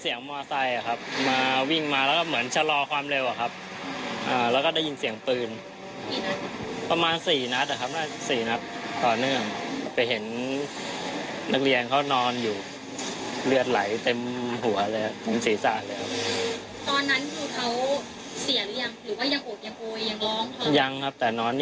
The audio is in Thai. อย่าตลอดอย่าหลับอย่าหลับ